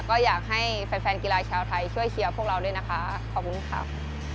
ก็อยากให้แฟนแฟนกีฬาชาวไทยช่วยเชียร์พวกเราด้วยนะคะขอบคุณค่ะ